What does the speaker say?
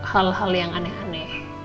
hal hal yang aneh aneh